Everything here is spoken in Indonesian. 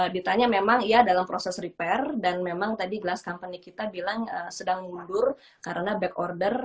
ditanya memang iya dalam proses repair dan memang tadi glass company kita bilang sedang mundur karena back order